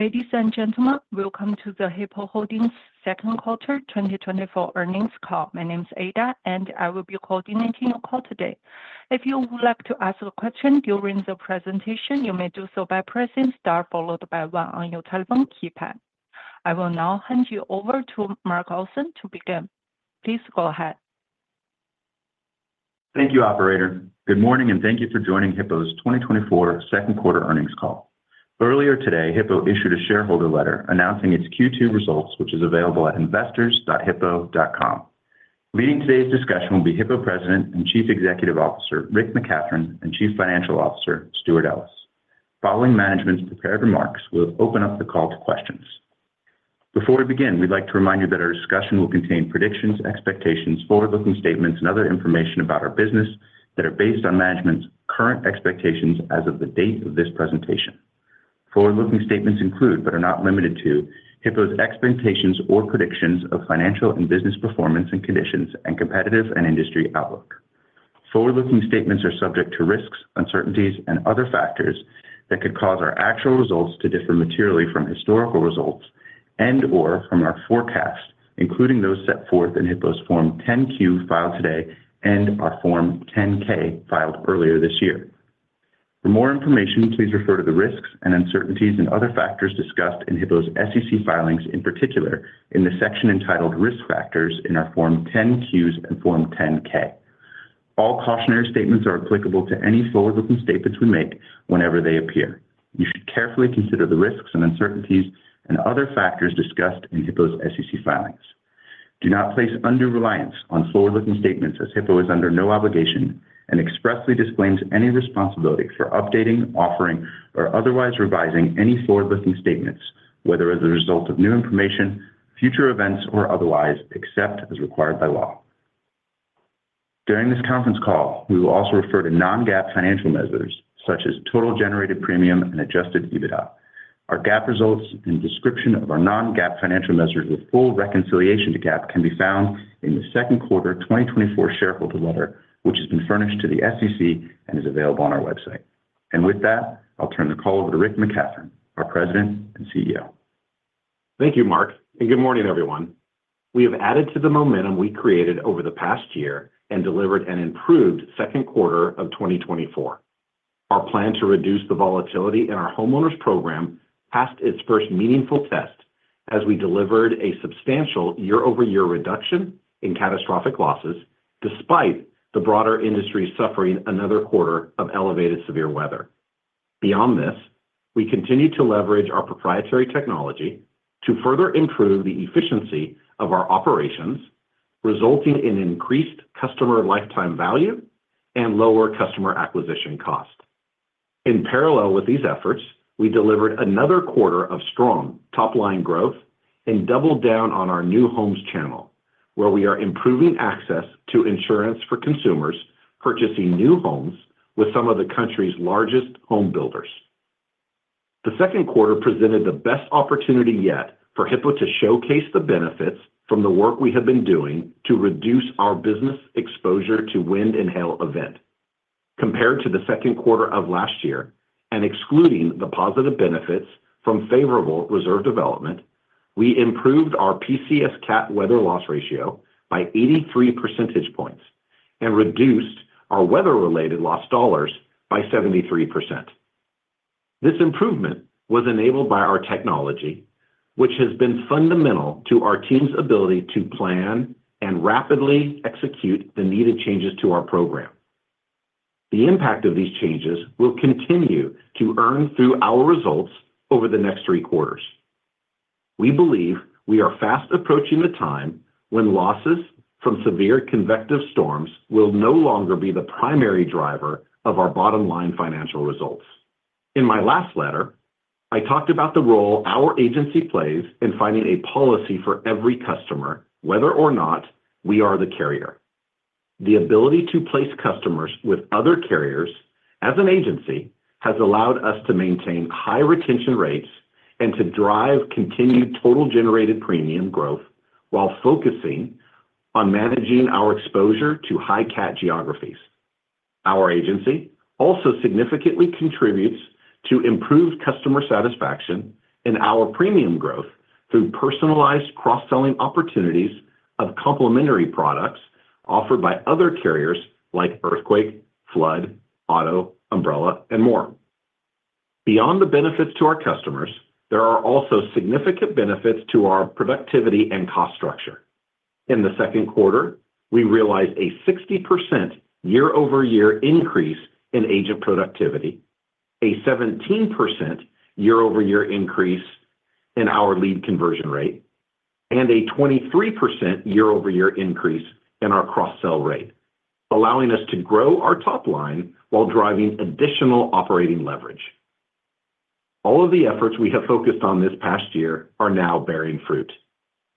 Ladies and gentlemen, welcome to the Hippo Holdings second quarter 2024 earnings call. My name is Ada, and I will be coordinating your call today. If you would like to ask a question during the presentation, you may do so by pressing Star followed by One on your telephone keypad. I will now hand you over to Mark Olson to begin. Please go ahead. Thank you, operator. Good morning, and thank you for joining Hippo's 2024 second quarter earnings call. Earlier today, Hippo issued a shareholder letter announcing its Q2 results, which is available at investors.hippo.com. Leading today's discussion will be Hippo President and Chief Executive Officer, Rick McCathron, and Chief Financial Officer, Stewart Ellis. Following management's prepared remarks, we'll open up the call to questions. Before we begin, we'd like to remind you that our discussion will contain predictions, expectations, forward-looking statements, and other information about our business that are based on management's current expectations as of the date of this presentation. Forward-looking statements include, but are not limited to, Hippo's expectations or predictions of financial and business performance and conditions and competitive and industry outlook. Forward-looking statements are subject to risks, uncertainties, and other factors that could cause our actual results to differ materially from historical results and/or from our forecast, including those set forth in Hippo's Form 10-Q filed today and our Form 10-K filed earlier this year. For more information, please refer to the risks and uncertainties and other factors discussed in Hippo's SEC filings, in particular, in the section entitled "Risk Factors" in our Form 10-Qs and Form 10-K. All cautionary statements are applicable to any forward-looking statements we make whenever they appear. You should carefully consider the risks and uncertainties and other factors discussed in Hippo's SEC filings. Do not place undue reliance on forward-looking statements, as Hippo is under no obligation and expressly disclaims any responsibility for updating, offering, or otherwise revising any forward-looking statements, whether as a result of new information, future events, or otherwise, except as required by law. During this conference call, we will also refer to non-GAAP financial measures, such as total generated premium and Adjusted EBITDA. Our GAAP results and description of our non-GAAP financial measures with full reconciliation to GAAP can be found in the second quarter 2024 shareholder letter, which has been furnished to the SEC and is available on our website. With that, I'll turn the call over to Rick McCathron, our President and CEO. Thank you, Mark, and good morning, everyone. We have added to the momentum we created over the past year and delivered an improved second quarter of 2024. Our plan to reduce the volatility in our homeowners program passed its first meaningful test as we delivered a substantial year-over-year reduction in catastrophic losses, despite the broader industry suffering another quarter of elevated severe weather. Beyond this, we continued to leverage our proprietary technology to further improve the efficiency of our operations, resulting in increased customer lifetime value and lower customer acquisition cost. In parallel with these efforts, we delivered another quarter of strong top-line growth and doubled down on our new homes channel, where we are improving access to insurance for consumers purchasing new homes with some of the country's largest home builders. The second quarter presented the best opportunity yet for Hippo to showcase the benefits from the work we have been doing to reduce our business exposure to wind and hail event. Compared to the second quarter of last year, and excluding the positive benefits from favorable reserve development, we improved our PCS cat weather loss ratio by 83 percentage points and reduced our weather-related loss dollars by 73%. This improvement was enabled by our technology, which has been fundamental to our team's ability to plan and rapidly execute the needed changes to our program. The impact of these changes will continue to earn through our results over the next 3 quarters. We believe we are fast approaching the time when losses from severe convective storms will no longer be the primary driver of our bottom-line financial results. In my last letter, I talked about the role our agency plays in finding a policy for every customer, whether or not we are the carrier. The ability to place customers with other carriers as an agency has allowed us to maintain high retention rates and to drive continued total generated premium growth while focusing on managing our exposure to high cat geographies. Our agency also significantly contributes to improved customer satisfaction and our premium growth through personalized cross-selling opportunities of complementary products offered by other carriers like earthquake, flood, auto, umbrella, and more. Beyond the benefits to our customers, there are also significant benefits to our productivity and cost structure. In the second quarter, we realized a 60% year-over-year increase in agent productivity, a 17% year-over-year increase in our lead conversion rate, and a 23% year-over-year increase in our cross-sell rate, allowing us to grow our top line while driving additional operating leverage. All of the efforts we have focused on this past year are now bearing fruit.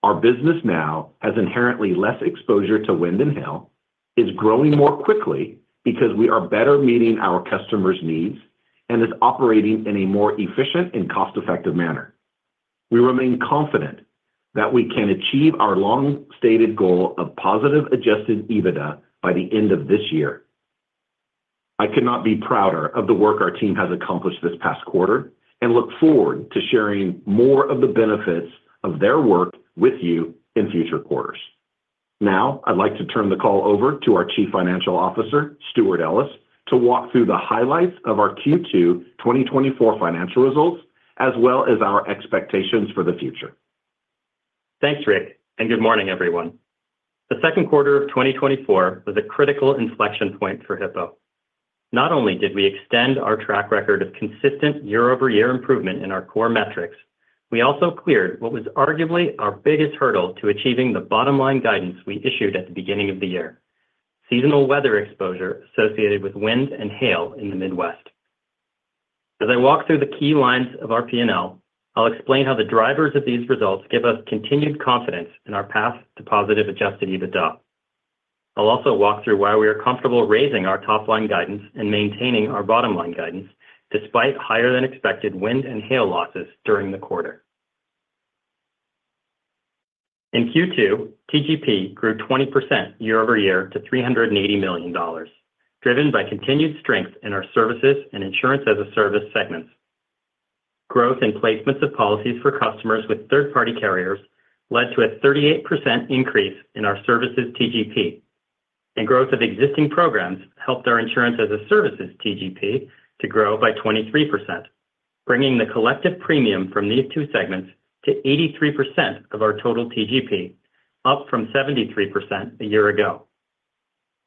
Our business now has inherently less exposure to wind and hail, is growing more quickly because we are better meeting our customers' needs, and is operating in a more efficient and cost-effective manner. We remain confident that we can achieve our long-stated goal of positive Adjusted EBITDA by the end of this year. I could not be prouder of the work our team has accomplished this past quarter and look forward to sharing more of the benefits of their work with you in future quarters. Now, I'd like to turn the call over to our Chief Financial Officer, Stewart Ellis, to walk through the highlights of our Q2 2024 financial results, as well as our expectations for the future. Thanks, Rick, and good morning, everyone. The second quarter of 2024 was a critical inflection point for Hippo. Not only did we extend our track record of consistent year-over-year improvement in our core metrics, we also cleared what was arguably our biggest hurdle to achieving the bottom-line guidance we issued at the beginning of the year: seasonal weather exposure associated with wind and hail in the Midwest. As I walk through the key lines of our P&L, I'll explain how the drivers of these results give us continued confidence in our path to positive Adjusted EBITDA. I'll also walk through why we are comfortable raising our top-line guidance and maintaining our bottom-line guidance, despite higher-than-expected wind and hail losses during the quarter. In Q2, TGP grew 20% year-over-year to $380 million, driven by continued strength in our services and Insurance as a Service segments. Growth in placements of policies for customers with third-party carriers led to a 38% increase in our services TGP, and growth of existing programs helped our Insurance as a Service TGP to grow by 23%, bringing the collective premium from these two segments to 83% of our total TGP, up from 73% a year ago.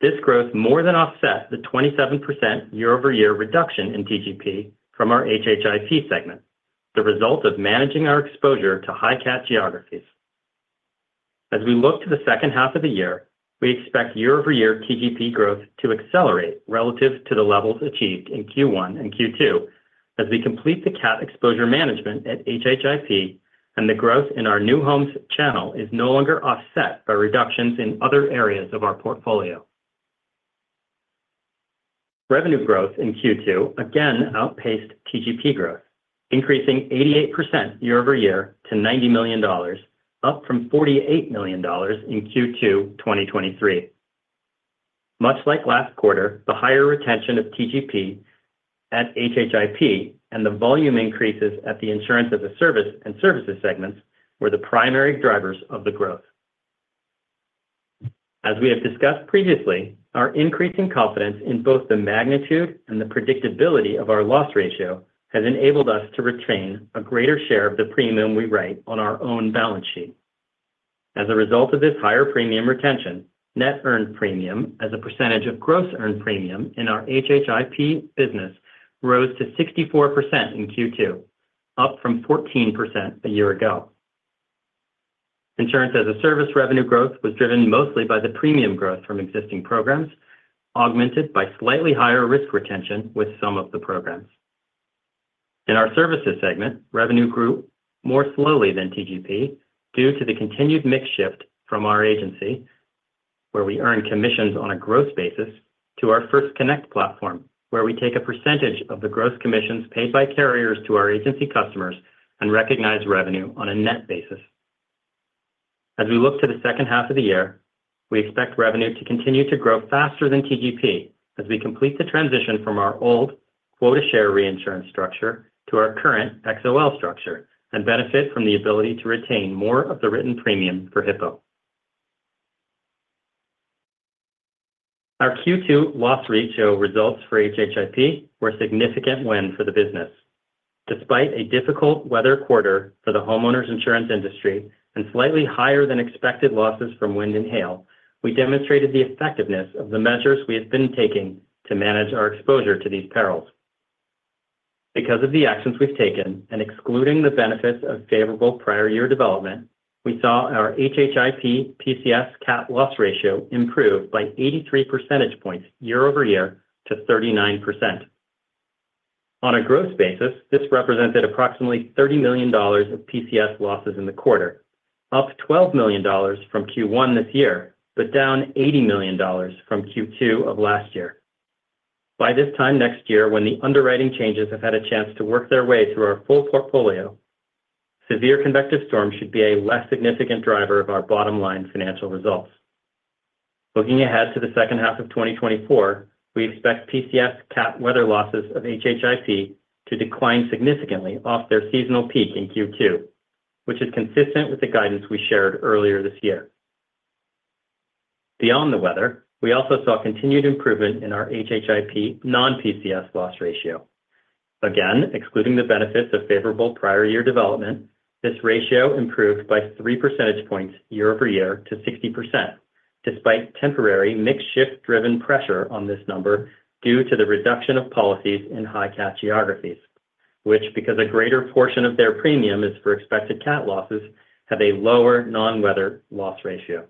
This growth more than offset the 27% year-over-year reduction in TGP from our HHIP segment, the result of managing our exposure to high cat geographies. As we look to the second half of the year, we expect year-over-year TGP growth to accelerate relative to the levels achieved in Q1 and Q2 as we complete the cat exposure management at HHIP, and the growth in our new homes channel is no longer offset by reductions in other areas of our portfolio. Revenue growth in Q2 again outpaced TGP growth, increasing 88% year-over-year to $90 million, up from $48 million in Q2 2023. Much like last quarter, the higher retention of TGP at HHIP and the volume increases at the Insurance as a Service and services segments were the primary drivers of the growth. As we have discussed previously, our increasing confidence in both the magnitude and the predictability of our loss ratio has enabled us to retain a greater share of the premium we write on our own balance sheet. As a result of this higher premium retention, net earned premium as a percentage of gross earned premium in our HHIP business rose to 64% in Q2, up from 14% a year ago. Insurance as a Service revenue growth was driven mostly by the premium growth from existing programs, augmented by slightly higher risk retention with some of the programs. In our services segment, revenue grew more slowly than TGP due to the continued mix shift from our agency, where we earn commissions on a gross basis, to our First Connect platform, where we take a percentage of the gross commissions paid by carriers to our agency customers and recognize revenue on a net basis. As we look to the second half of the year, we expect revenue to continue to grow faster than TGP as we complete the transition from our old quota share reinsurance structure to our current XOL structure and benefit from the ability to retain more of the written premium for Hippo. Our Q2 loss ratio results for HHIP were a significant win for the business. Despite a difficult weather quarter for the homeowners' insurance industry and slightly higher than expected losses from wind and hail, we demonstrated the effectiveness of the measures we have been taking to manage our exposure to these perils. Because of the actions we've taken and excluding the benefits of favorable prior year development, we saw our HHIP PCS cat loss ratio improve by 83 percentage points year-over-year to 39%. On a gross basis, this represented approximately $30 million of PCS losses in the quarter, up $12 million from Q1 this year, but down $80 million from Q2 of last year. By this time next year, when the underwriting changes have had a chance to work their way through our full portfolio, severe convective storms should be a less significant driver of our bottom-line financial results. Looking ahead to the second half of 2024, we expect PCS cat weather losses of Hippo to decline significantly off their seasonal peak in Q2, which is consistent with the guidance we shared earlier this year. Beyond the weather, we also saw continued improvement in our Hippo non-PCS loss ratio. Again, excluding the benefits of favorable prior year development, this ratio improved by 3 percentage points year-over-year to 60%, despite temporary mix shift-driven pressure on this number due to the reduction of policies in high cat geographies, which, because a greater portion of their premium is for expected cat losses, have a lower non-weather loss ratio.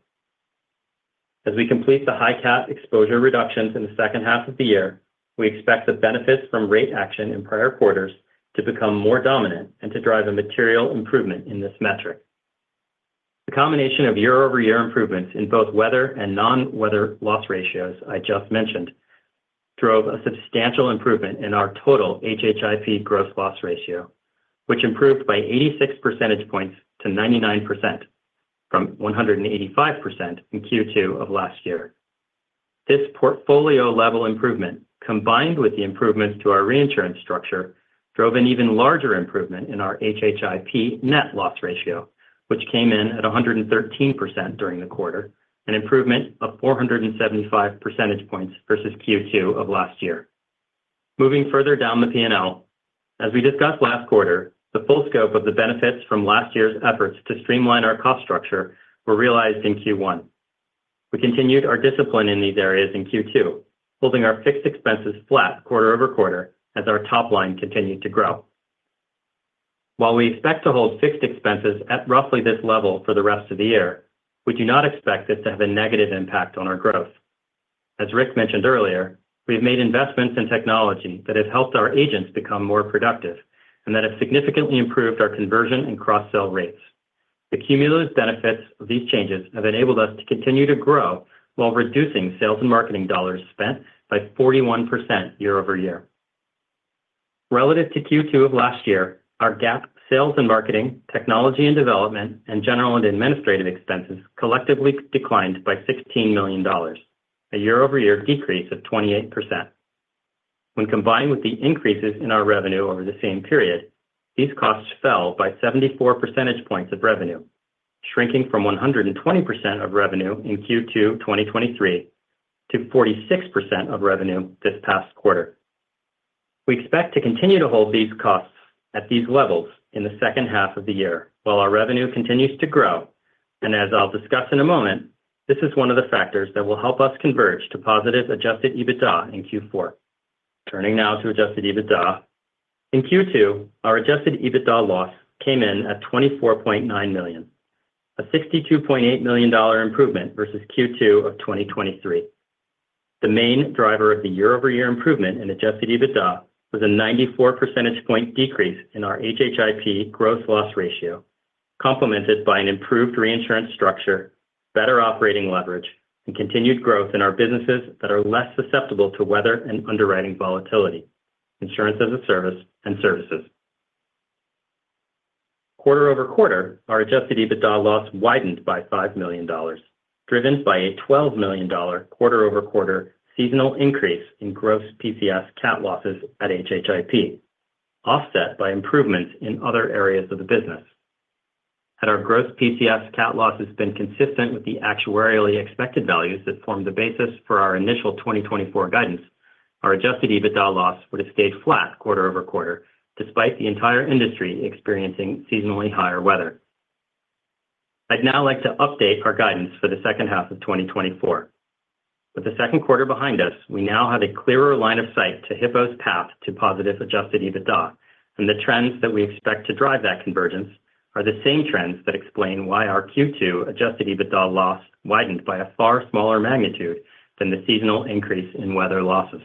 As we complete the high cat exposure reductions in the second half of the year, we expect the benefits from rate action in prior quarters to become more dominant and to drive a material improvement in this metric. The combination of year-over-year improvements in both weather and non-weather loss ratios I just mentioned drove a substantial improvement in our total HHIP gross loss ratio, which improved by 86 percentage points to 99% from 185% in Q2 of last year. This portfolio level improvement, combined with the improvements to our reinsurance structure, drove an even larger improvement in our HHIP net loss ratio, which came in at 113% during the quarter, an improvement of 475 percentage points versus Q2 of last year. Moving further down the P&L, as we discussed last quarter, the full scope of the benefits from last year's efforts to streamline our cost structure were realized in Q1. We continued our discipline in these areas in Q2, holding our fixed expenses flat quarter-over-quarter as our top line continued to grow. While we expect to hold fixed expenses at roughly this level for the rest of the year, we do not expect it to have a negative impact on our growth. As Rick mentioned earlier, we have made investments in technology that have helped our agents become more productive and that have significantly improved our conversion and cross-sell rates. The cumulative benefits of these changes have enabled us to continue to grow while reducing sales and marketing dollars spent by 41% year-over-year. Relative to Q2 of last year, our GAAP sales and marketing, technology and development, and general and administrative expenses collectively declined by $16 million, a year-over-year decrease of 28%. When combined with the increases in our revenue over the same period, these costs fell by 74 percentage points of revenue, shrinking from 120% of revenue in Q2 2023 to 46% of revenue this past quarter. We expect to continue to hold these costs at these levels in the second half of the year while our revenue continues to grow, and as I'll discuss in a moment, this is one of the factors that will help us converge to positive Adjusted EBITDA in Q4. Turning now to Adjusted EBITDA. In Q2, our Adjusted EBITDA loss came in at $24.9 million, a $62.8 million improvement versus Q2 of 2023. The main driver of the year-over-year improvement in Adjusted EBITDA was a 94 percentage point decrease in our HHIP gross loss ratio, complemented by an improved reinsurance structure, better operating leverage, and continued growth in our businesses that are less susceptible to weather and underwriting volatility, Insurance as a Service and services. Quarter-over-quarter, our Adjusted EBITDA loss widened by $5 million, driven by a $12 million quarter-over-quarter seasonal increase in gross PCS cat losses at HHIP, offset by improvements in other areas of the business. Had our gross PCS cat losses been consistent with the actuarially expected values that formed the basis for our initial 2024 guidance, our Adjusted EBITDA loss would have stayed flat quarter-over-quarter, despite the entire industry experiencing seasonally higher weather. I'd now like to update our guidance for the second half of 2024. With the second quarter behind us, we now have a clearer line of sight to Hippo's path to positive Adjusted EBITDA, and the trends that we expect to drive that convergence are the same trends that explain why our Q2 Adjusted EBITDA loss widened by a far smaller magnitude than the seasonal increase in weather losses.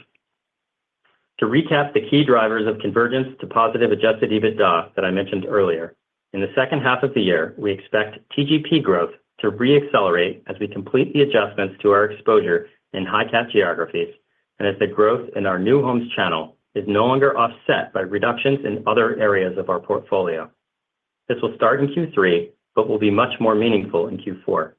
To recap the key drivers of convergence to positive Adjusted EBITDA that I mentioned earlier, in the second half of the year, we expect TGP growth to reaccelerate as we complete the adjustments to our exposure in high-cat geographies and as the growth in our new homes channel is no longer offset by reductions in other areas of our portfolio. This will start in Q3 but will be much more meaningful in Q4.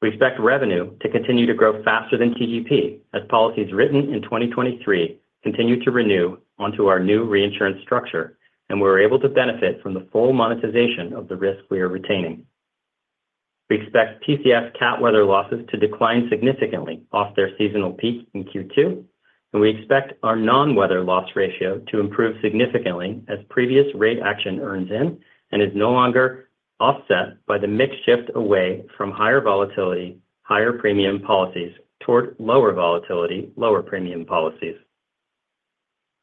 We expect revenue to continue to grow faster than TGP as policies written in 2023 continue to renew onto our new reinsurance structure, and we're able to benefit from the full monetization of the risk we are retaining. We expect PCS cat weather losses to decline significantly off their seasonal peak in Q2, and we expect our non-weather loss ratio to improve significantly as previous rate action earns in and is no longer offset by the mix shift away from higher volatility, higher premium policies toward lower volatility, lower premium policies.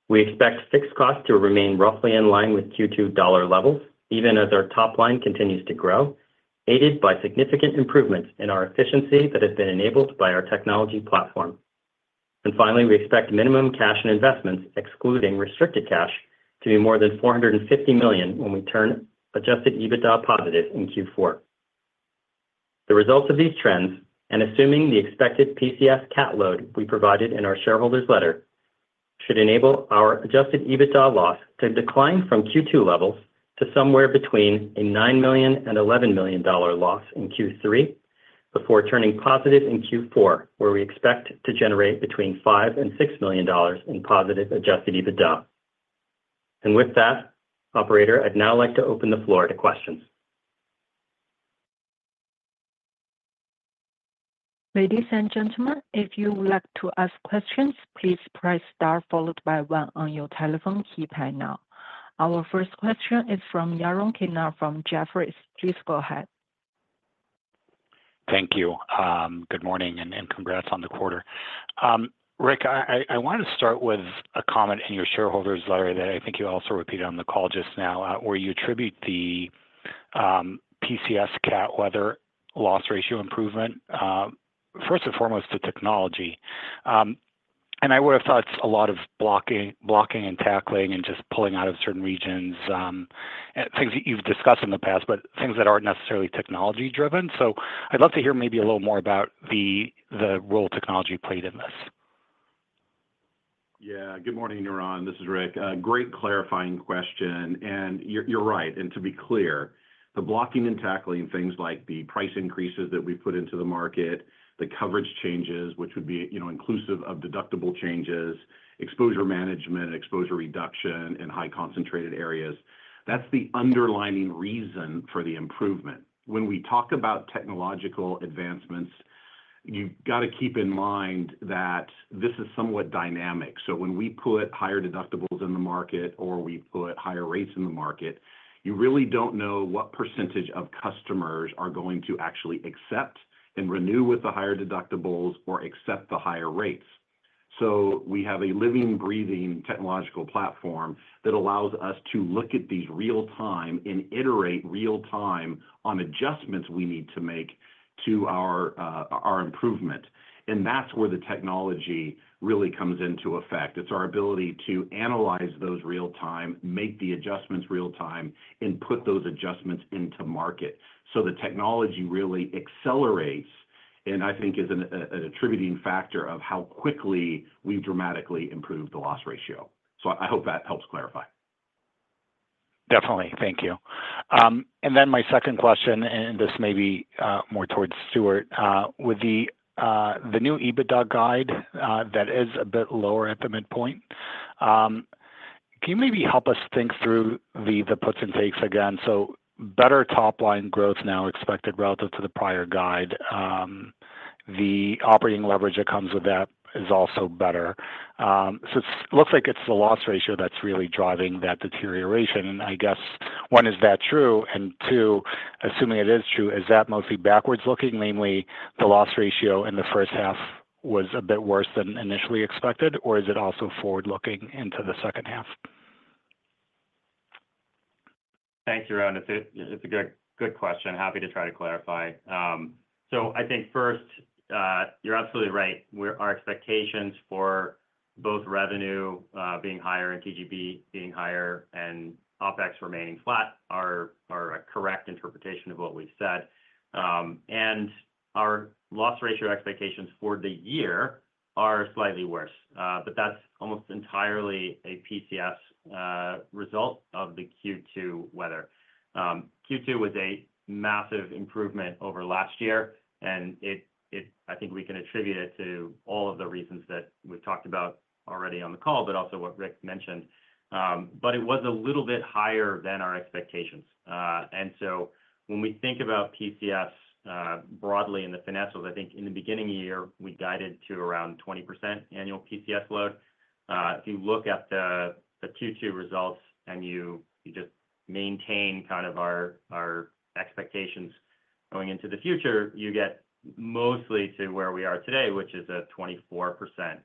We expect fixed costs to remain roughly in line with Q2 dollar levels, even as our top line continues to grow, aided by significant improvements in our efficiency that has been enabled by our technology platform. And finally, we expect minimum cash and investments, excluding restricted cash, to be more than $450 million when we turn Adjusted EBITDA positive in Q4. The results of these trends, and assuming the expected PCS cat load we provided in our shareholders' letter, should enable our Adjusted EBITDA loss to decline from Q2 levels to somewhere between a $9 million and $11 million dollar loss in Q3, before turning positive in Q4, where we expect to generate between $5 million and $6 million dollars in positive Adjusted EBITDA. With that, operator, I'd now like to open the floor to questions. Ladies and gentlemen, if you would like to ask questions, please press Star followed by one on your telephone keypad now. Our first question is from Yaron Kinar from Jefferies. Please go ahead. Thank you. Good morning, and congrats on the quarter. Rick, I want to start with a comment in your shareholders' letter that I think you also repeated on the call just now, where you attribute the PCS cat weather loss ratio improvement first and foremost to technology. I would have thought it's a lot of blocking and tackling and just pulling out of certain regions and things that you've discussed in the past, but things that aren't necessarily technology-driven. So I'd love to hear maybe a little more about the role technology played in this. ... Yeah, good morning, Ron. This is Rick. Great clarifying question, and you're right. And to be clear, the blocking and tackling things like the price increases that we've put into the market, the coverage changes, which would be, you know, inclusive of deductible changes, exposure management, exposure reduction in high concentrated areas, that's the underlying reason for the improvement. When we talk about technological advancements, you've got to keep in mind that this is somewhat dynamic. So when we put higher deductibles in the market or we put higher rates in the market, you really don't know what percentage of customers are going to actually accept and renew with the higher deductibles or accept the higher rates. So we have a living, breathing technological platform that allows us to look at these real time and iterate real time on adjustments we need to make to our improvement. And that's where the technology really comes into effect. It's our ability to analyze those real time, make the adjustments real time, and put those adjustments into market. So the technology really accelerates, and I think is an attributing factor of how quickly we've dramatically improved the loss ratio. So I hope that helps clarify. Definitely. Thank you. And then my second question, and this may be more towards Stuart. With the new EBITDA guide that is a bit lower at the midpoint, can you maybe help us think through the puts and takes again? So better top line growth now expected relative to the prior guide. The operating leverage that comes with that is also better. So it looks like it's the loss ratio that's really driving that deterioration. I guess, one, is that true? And two, assuming it is true, is that mostly backwards-looking, namely, the loss ratio in the first half was a bit worse than initially expected, or is it also forward-looking into the second half? Thanks, Ron. It's a, it's a good, good question. Happy to try to clarify. So I think first, you're absolutely right. Our expectations for both revenue being higher and TGP being higher and OpEx remaining flat are a correct interpretation of what we've said. And our loss ratio expectations for the year are slightly worse, but that's almost entirely a PCS result of the Q2 weather. Q2 was a massive improvement over last year, and it I think we can attribute it to all of the reasons that we've talked about already on the call, but also what Rick mentioned. But it was a little bit higher than our expectations. And so when we think about PCS, broadly in the financials, I think in the beginning of the year, we guided to around 20% annual PCS load. If you look at the Q2 results and you just maintain kind of our expectations going into the future, you get mostly to where we are today, which is a 24%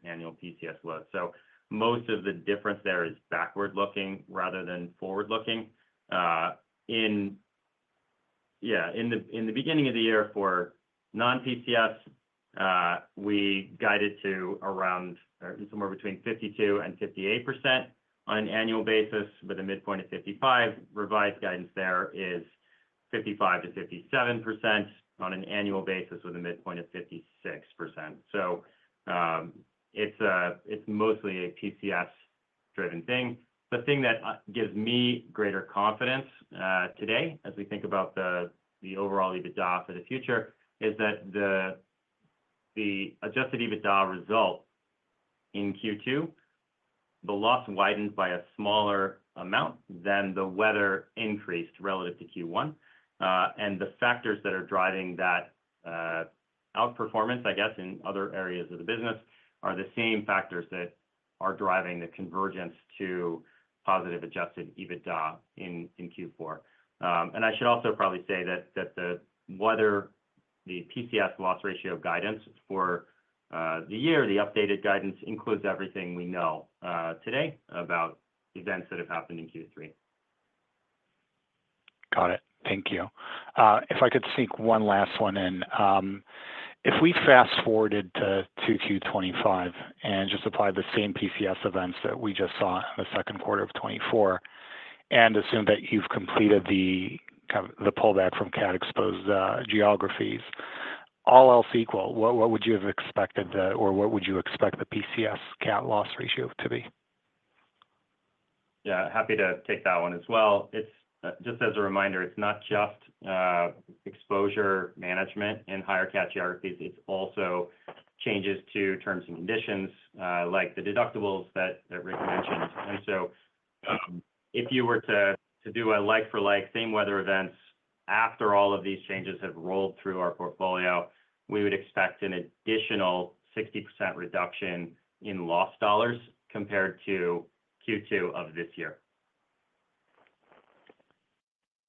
annual PCS load. So most of the difference there is backward-looking rather than forward-looking. In the beginning of the year for non-PCS, we guided to around somewhere between 52% and 58% on an annual basis, with a midpoint of 55%. Revised guidance there is 55%-57% on an annual basis, with a midpoint of 56%. So, it's mostly a PCS-driven thing. The thing that gives me greater confidence today, as we think about the overall EBITDA for the future, is that the adjusted EBITDA result in Q2, the loss widens by a smaller amount than the weather increased relative to Q1. And the factors that are driving that outperformance, I guess, in other areas of the business, are the same factors that are driving the convergence to positive adjusted EBITDA in Q4. And I should also probably say that the weather, the PCS loss ratio guidance for the year, the updated guidance includes everything we know today about events that have happened in Q3. Got it. Thank you. If I could sneak one last one in. If we fast-forwarded to 2025 and just applied the same PCS events that we just saw in the second quarter of 2024, and assumed that you've completed the kind of the pullback from cat-exposed geographies, all else equal, what, what would you have expected the, or what would you expect the PCS cat loss ratio to be? Yeah, happy to take that one as well. It's just as a reminder, it's not just exposure management in higher cat geographies, it's also changes to terms and conditions, like the deductibles that Rick mentioned. And so, if you were to do a like for like, same weather events, after all of these changes have rolled through our portfolio, we would expect an additional 60% reduction in loss dollars compared to Q2 of this year.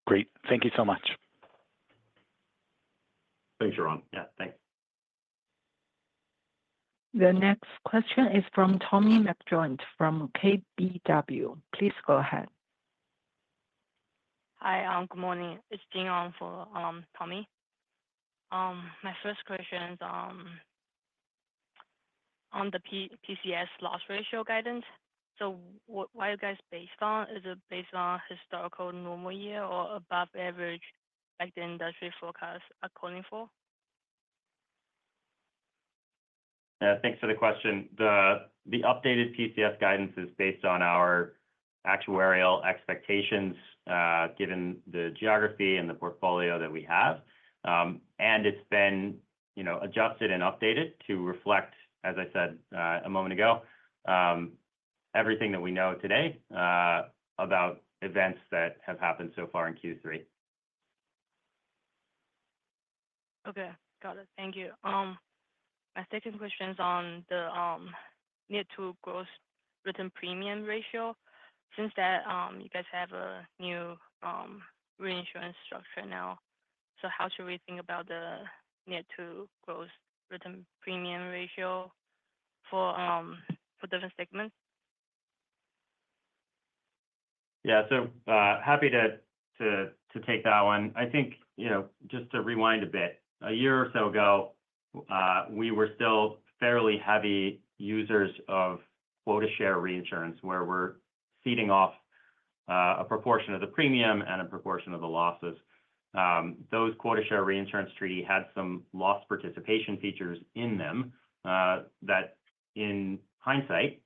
Great. Thank you so much. Thanks, Ron. Yeah, thanks. The next question is from Tommy McJoynt, from KBW. Please go ahead. Hi, good morning. It's Jing On for Tommy. My first question is on the PCS loss ratio guidance. So what, what are you guys based on? Is it based on historical normal year or above average, like the industry forecast according for?... Thanks for the question. The updated PCS guidance is based on our actuarial expectations, given the geography and the portfolio that we have. And it's been, you know, adjusted and updated to reflect, as I said, a moment ago, everything that we know today, about events that have happened so far in Q3. Okay, got it. Thank you. My second question is on the net to gross written premium ratio. Since that you guys have a new reinsurance structure now, so how should we think about the net to gross written premium ratio for different segments? Yeah. So, happy to take that one. I think, you know, just to rewind a bit, a year or so ago, we were still fairly heavy users of quota share reinsurance, where we're ceding off, a proportion of the premium and a proportion of the losses. Those quota share reinsurance treaty had some loss participation features in them, that, in hindsight,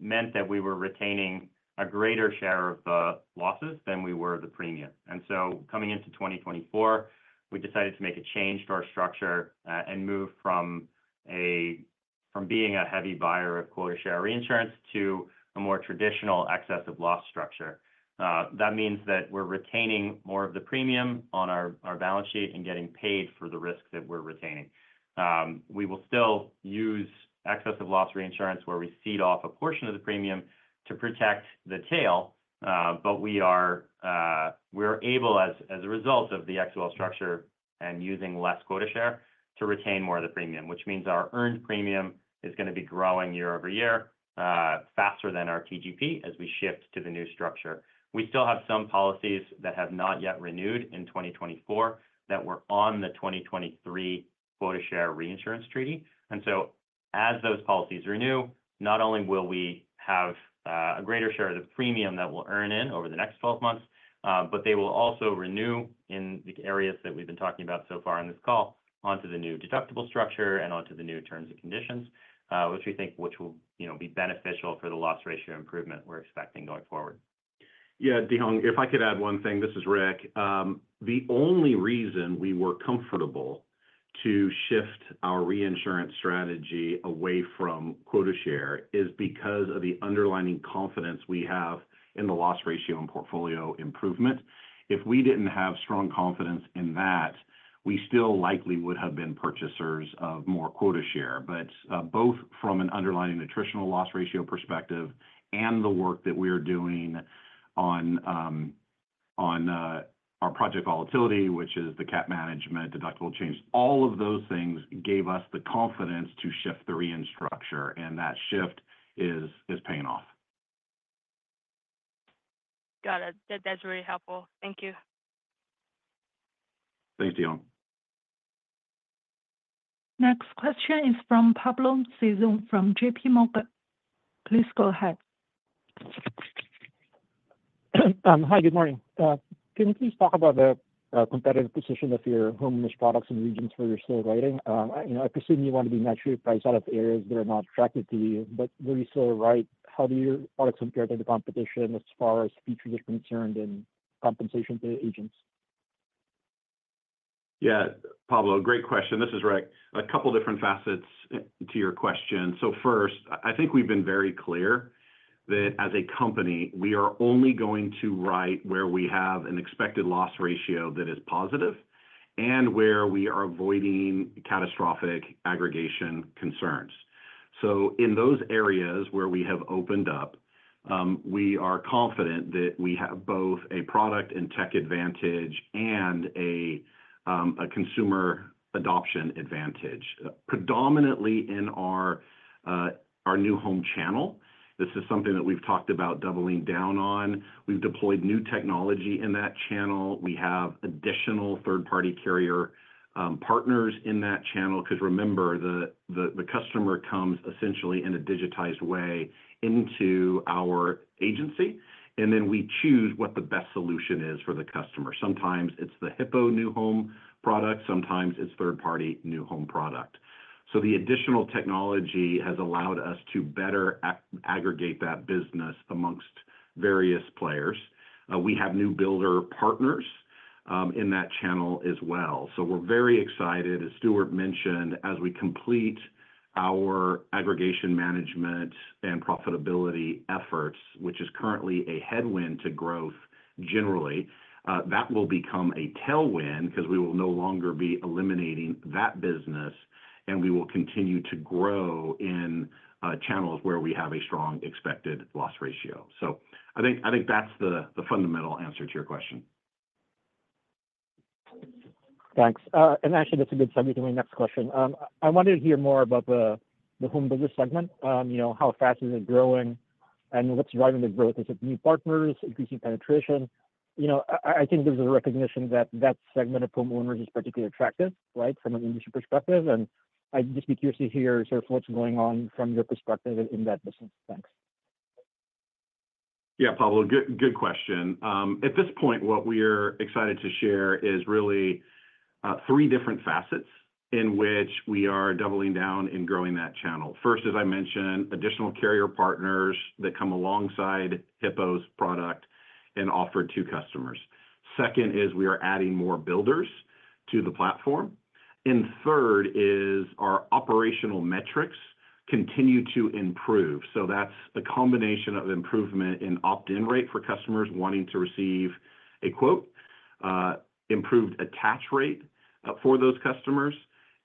meant that we were retaining a greater share of the losses than we were the premium. And so coming into 2024, we decided to make a change to our structure, and move from being a heavy buyer of quota share reinsurance to a more traditional excess of loss structure. That means that we're retaining more of the premium on our balance sheet and getting paid for the risk that we're retaining. We will still use excess of loss reinsurance, where we cede off a portion of the premium to protect the tail. But we are able, as a result of the XOL structure and using less quota share, to retain more of the premium, which means our earned premium is going to be growing year-over-year faster than our TGP as we shift to the new structure. We still have some policies that have not yet renewed in 2024, that were on the 2023 quota share reinsurance treaty. And so, as those policies renew, not only will we have a greater share of the premium that we'll earn in over the next 12 months, but they will also renew in the areas that we've been talking about so far on this call, onto the new deductible structure and onto the new terms and conditions, which we think which will, you know, be beneficial for the loss ratio improvement we're expecting going forward. Yeah, Dehong, if I could add one thing. This is Rick. The only reason we were comfortable to shift our reinsurance strategy away from quota share is because of the underlying confidence we have in the loss ratio and portfolio improvement. If we didn't have strong confidence in that, we still likely would have been purchasers of more quota share. But both from an underlying attritional loss ratio perspective and the work that we are doing on our project volatility, which is the cat management deductible change, all of those things gave us the confidence to shift the reinsurance structure, and that shift is paying off. Got it. That, that's really helpful. Thank you. Thanks, Dehong. Next question is from Pablo Singzon from JP Morgan. Please go ahead. Hi, good morning. Can you please talk about the competitive position of your home insurance products in the regions where you're still writing? You know, I presume you want to be naturally priced out of areas that are not attractive to you. But where you still write, how do your products compare to the competition as far as feature difference concerned and compensation to agents? Yeah, Pablo, great question. This is Rick. A couple different facets to your question. So first, I think we've been very clear that as a company, we are only going to write where we have an expected loss ratio that is positive and where we are avoiding catastrophic aggregation concerns. So in those areas where we have opened up, we are confident that we have both a product and tech advantage and a consumer adoption advantage. Predominantly in our new home channel, this is something that we've talked about doubling down on. We've deployed new technology in that channel. We have additional third-party carrier partners in that channel, because remember, the customer comes essentially in a digitized way into our agency, and then we choose what the best solution is for the customer. Sometimes it's the Hippo new home product, sometimes it's third-party new home product. So the additional technology has allowed us to better aggregate that business amongst various players. We have new builder partners in that channel as well. So we're very excited, as Stuart mentioned, as we complete our aggregation management and profitability efforts, which is currently a headwind to growth generally, that will become a tailwind because we will no longer be eliminating that business, and we will continue to grow in channels where we have a strong expected loss ratio. So I think, I think that's the, the fundamental answer to your question. Thanks. Actually, that's a good segue to my next question. I wanted to hear more about the home business segment, you know, how fast is it growing and what's driving the growth? Is it new partners, increasing penetration? You know, I think there's a recognition that that segment of homeowners is particularly attractive, right? From an industry perspective. I'd just be curious to hear sort of what's going on from your perspective in that business. Thanks.... Yeah, Pablo, good, good question. At this point, what we're excited to share is really three different facets in which we are doubling down and growing that channel. First, as I mentioned, additional carrier partners that come alongside Hippo's product and offer to customers. Second is we are adding more builders to the platform, and third is our operational metrics continue to improve. So that's the combination of improvement in opt-in rate for customers wanting to receive a quote, improved attach rate for those customers,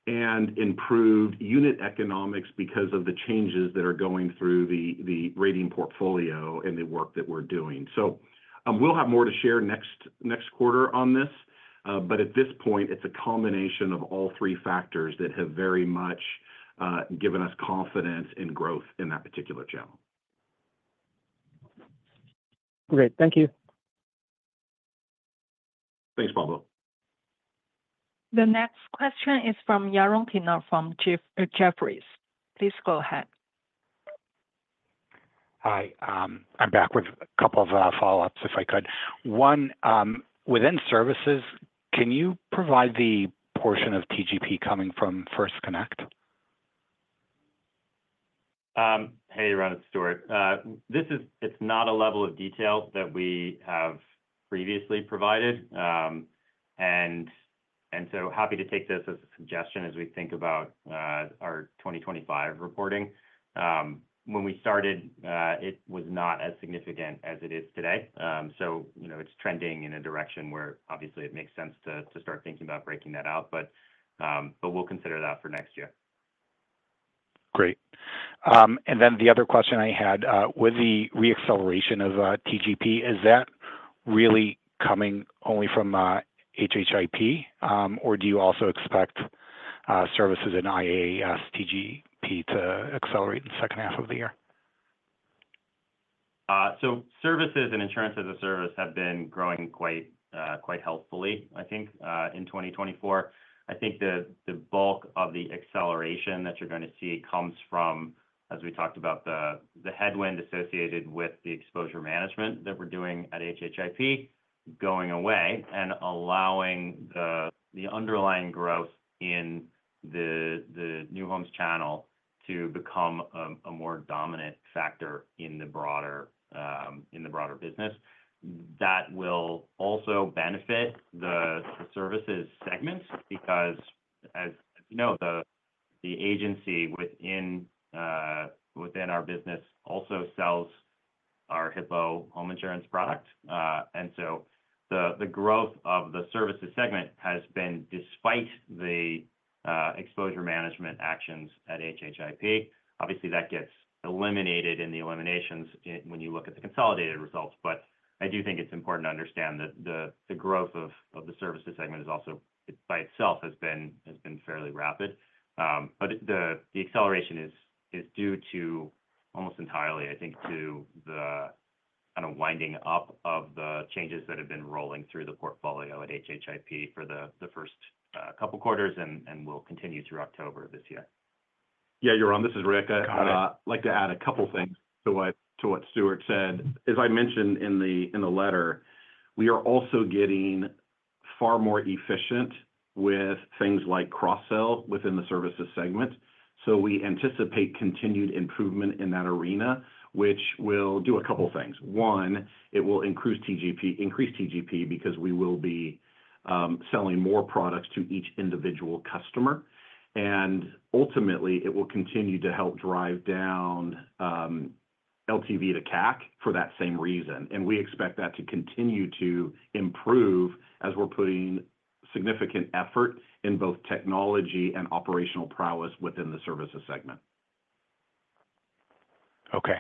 and improved unit economics because of the changes that are going through the rating portfolio and the work that we're doing. So, we'll have more to share next quarter on this, but at this point, it's a combination of all three factors that have very much given us confidence in growth in that particular channel. Great. Thank you. Thanks, Pablo. The next question is from Yaron Kinar from Jefferies. Please go ahead. Hi, I'm back with a couple of follow-ups, if I could. One, within services, can you provide the portion of TGP coming from First Connect? Hey, Yaron, it's Stuart. It's not a level of detail that we have previously provided. And so happy to take this as a suggestion as we think about our 2025 reporting. When we started, it was not as significant as it is today. So, you know, it's trending in a direction where obviously it makes sense to start thinking about breaking that out. But we'll consider that for next year. Great. And then the other question I had, with the re-acceleration of TGP, is that really coming only from HHIP, or do you also expect services in IaaS TGP to accelerate in the second half of the year? So services and insurance as a service have been growing quite, quite healthily, I think, in 2024. I think the, the bulk of the acceleration that you're going to see comes from, as we talked about, the, the headwind associated with the exposure management that we're doing at HHIP going away and allowing the, the underlying growth in the, the new homes channel to become a, a more dominant factor in the broader, in the broader business. That will also benefit the services segments, because, as you know, the, the agency within, within our business also sells our Hippo Home Insurance product. And so the, the growth of the services segment has been despite the, exposure management actions at HHIP. Obviously, that gets eliminated in the eliminations when you look at the consolidated results. But I do think it's important to understand that the growth of the services segment is also, by itself, has been fairly rapid. But the acceleration is due to, almost entirely, I think, to the kind of winding up of the changes that have been rolling through the portfolio at HHIP for the first couple quarters and will continue through October this year. Yeah, Yaron, this is Rick. Got it. I'd like to add a couple of things to what Stuart said. As I mentioned in the letter, we are also getting far more efficient with things like cross-sell within the services segment, so we anticipate continued improvement in that arena, which will do a couple of things. One, it will increase TGP, increase TGP because we will be selling more products to each individual customer. And ultimately, it will continue to help drive down LTV to CAC for that same reason, and we expect that to continue to improve as we're putting significant effort in both technology and operational prowess within the services segment. Okay.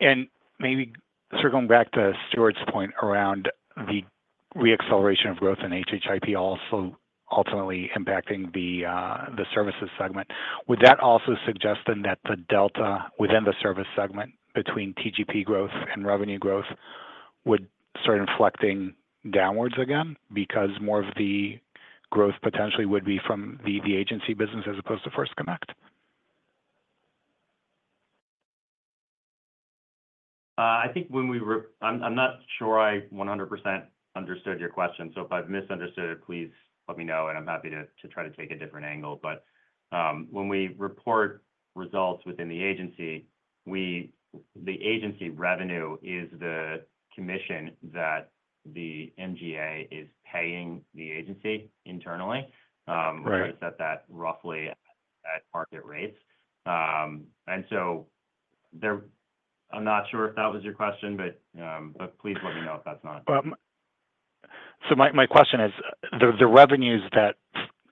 And maybe circling back to Stuart's point around the re-acceleration of growth in HHIP also ultimately impacting the services segment. Would that also suggest then that the delta within the service segment between TGP growth and revenue growth would start inflecting downwards again because more of the growth potentially would be from the agency business as opposed to First Connect? I think, I'm not sure I 100% understood your question, so if I've misunderstood it, please let me know, and I'm happy to try to take a different angle. But, when we report results within the agency, the agency revenue is the commission that the MGA is paying the agency internally. Right. We set that roughly at market rates. And so I'm not sure if that was your question, but please let me know if that's not. So my question is: the revenues that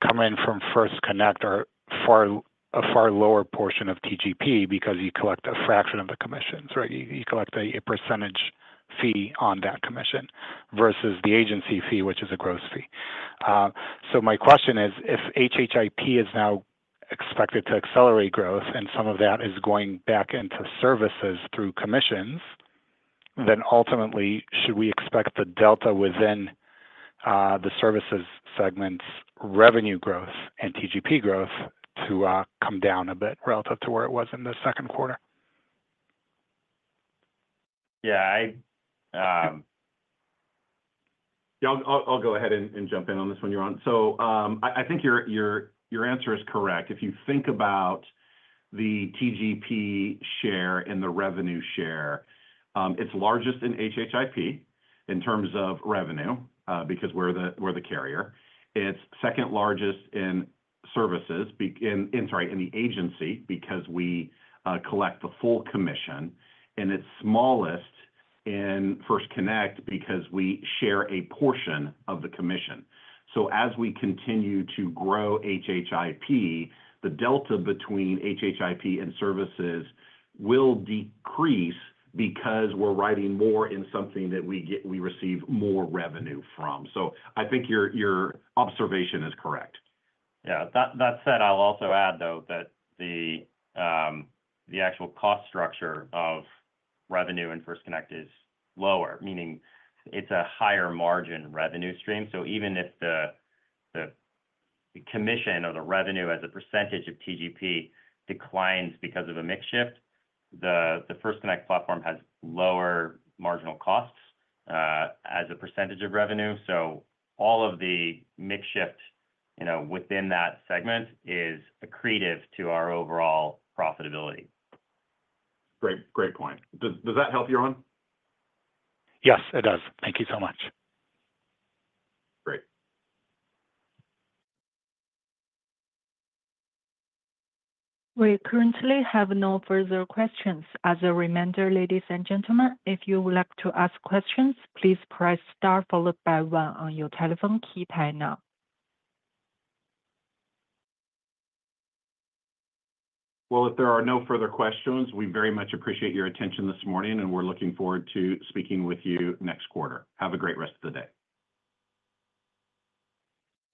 come in from First Connect are a far lower portion of TGP because you collect a fraction of the commissions, right? You collect a percentage fee on that commission versus the agency fee, which is a gross fee. So my question is: If Hippo is now expected to accelerate growth and some of that is going back into services through commissions, then ultimately, should we expect the delta within the services segment's revenue growth and TGP growth to come down a bit relative to where it was in the second quarter? Yeah, I- Yeah, I'll go ahead and jump in on this one, Yaron. So, I think your answer is correct. If you think about the TGP share and the revenue share, it's largest in HHIP in terms of revenue, because we're the carrier. It's second largest in services, in the agency, because we collect the full commission, and it's smallest in First Connect because we share a portion of the commission. So as we continue to grow HHIP, the delta between HHIP and services will decrease because we're writing more in something that we receive more revenue from. So I think your observation is correct. Yeah, that, that said, I'll also add, though, that the actual cost structure of revenue in First Connect is lower, meaning it's a higher margin revenue stream. So even if the commission or the revenue as a percentage of TGP declines because of a mix shift, the First Connect platform has lower marginal costs as a percentage of revenue. So all of the mix shift, you know, within that segment is accretive to our overall profitability. Great, great point. Does that help, Yaron? Yes, it does. Thank you so much. Great. We currently have no further questions. As a reminder, ladies and gentlemen, if you would like to ask questions, please press Star followed by One on your telephone keypad now. Well, if there are no further questions, we very much appreciate your attention this morning, and we're looking forward to speaking with you next quarter. Have a great rest of the day.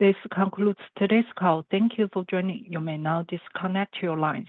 This concludes today's call. Thank you for joining. You may now disconnect your lines.